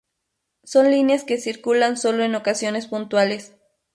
Son líneas que circulan sólo en ocasiones puntuales.